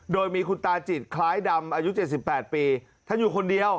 โดยมีคุณตาจิตคล้ายดำอายุ๗๘ปีท่านอยู่คนเดียว